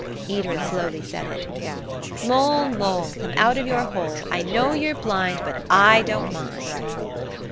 Edred slowly said it–. "'Mole, mole, Come out of your hole; I know you're blind, But I don't mind.'"